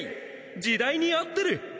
時代に合ってる！